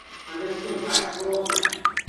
Shu haqida bolangizga so‘zlab bering.